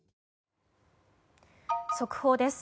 速報です。